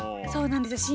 そうなんです。